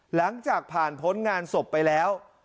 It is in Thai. หลังจากผ่านพ้นงานศพไปแล้ว